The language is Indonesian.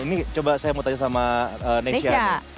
ini coba saya mau tanya sama raneshia